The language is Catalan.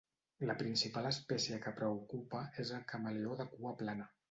La principal espècie que preocupa és el camaleó de cua plana.